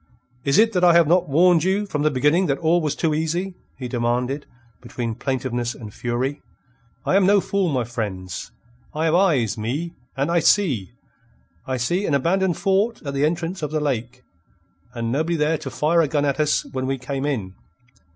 "Is it that I have not warned you from the beginning that all was too easy?" he demanded between plaintiveness and fury. "I am no fool, my friends. I have eyes, me. And I see. I see an abandoned fort at the entrance of the lake, and nobody there to fire a gun at us when we came in.